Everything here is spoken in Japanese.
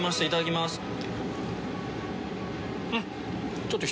いただきます。